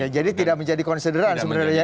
jadi tidak menjadi consideration sebenarnya